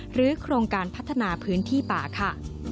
โครงการพัฒนาพื้นที่ป่าค่ะ